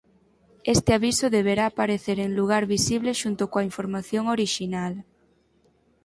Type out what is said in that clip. Este aviso deberá aparecer en lugar visible xunto coa información orixinal.